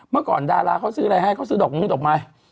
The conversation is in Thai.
เมื่อก่อนดาราเขาซื้ออะไรให้เขาซื้อดอกมงดอกไม้